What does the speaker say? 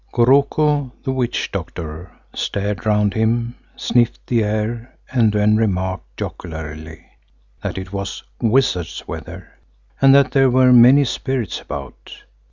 Goroko, the witch doctor, stared round him, sniffed the air and then remarked ocularly that it was "wizard's weather" and that there were many spirits about.